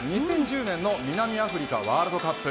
２０１０年の南アフリカワールドカップ。